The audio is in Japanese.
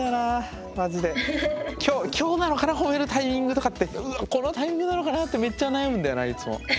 今日なのかな褒めるタイミングとかってこのタイミングなのかなってめっちゃ悩むんだよないつも。